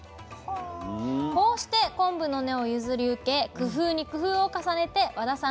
こうして昆布の根を譲り受け工夫に工夫を重ねて和田さん